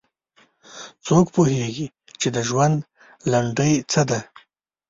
څوک پوهیږي چې د ژوند لنډۍ څه ده